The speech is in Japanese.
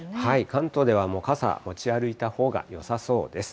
関東では傘、持ち歩いたほうがよさそうです。